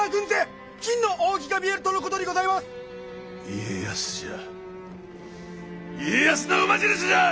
家康じゃ家康の馬印じゃ！